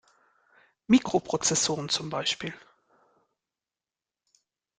Mikroprozessoren zum Beispiel.